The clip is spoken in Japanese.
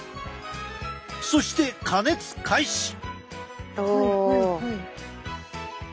そして加熱開始。